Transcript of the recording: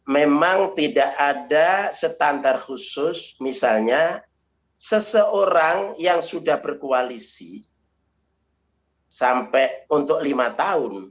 memang tidak ada standar khusus misalnya seseorang yang sudah berkoalisi sampai untuk lima tahun